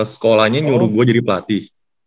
sekolahnya nyuruh gue jadi pelatih